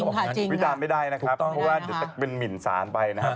ถูกต้องถูกต้องพิจารณ์ไม่ได้นะครับเพราะว่าเป็นหมินสารไปนะครับ